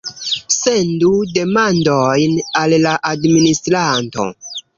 Sendu demandojn al la administranto.